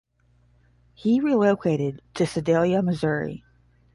He relocated to Sedalia, Missouri.